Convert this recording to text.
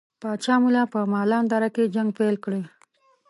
پاچا ملا په مالان دره کې جنګ پیل کړي.